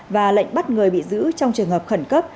và lệnh bắt người bị giữ trong trường hợp khẩn cấp